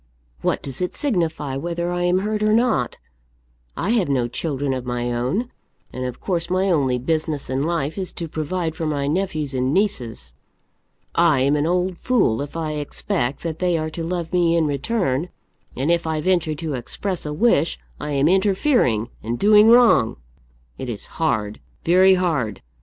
What does it signify whether I am hurt or not? I have no children of my own, and of course my only business in life is to provide for my nephews and nieces. I am an old fool if I expect that they are to love me in return, and if I venture to express a wish I am interfering and doing wrong! It is hard, very hard.